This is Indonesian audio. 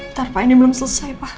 ntar pak ini belum selesai pak